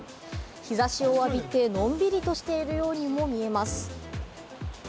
日差しを浴びて、のんびりとしているようにも見えます。